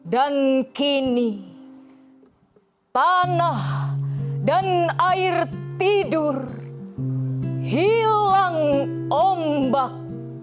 dan kini tanah dan air tidur hilang ombak